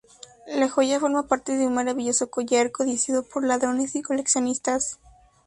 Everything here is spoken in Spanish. La joya forma parte de un maravilloso collar, codiciado por ladrones y coleccionistas.